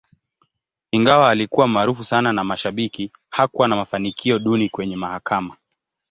Ingawa alikuwa maarufu sana na mashabiki, hakuwa na mafanikio duni kwenye mahakama.